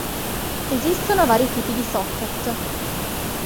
Esistono vari tipi di socket.